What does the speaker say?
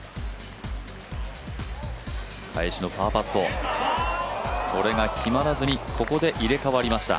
返しのパーパット、これが決まらずにここで入れ替わりました、